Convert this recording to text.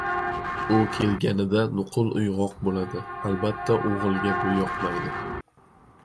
U kelganida nuqul uygʻoq boʻladi, albatta, oʻgʻilga bu yoqmaydi.